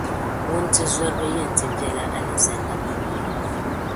Wuntizɔriba yɛn ti bela Alizanda puuni.